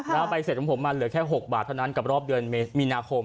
แล้วใบเสร็จของผมมันเหลือแค่๖บาทเท่านั้นกับรอบเดือนมีนาคม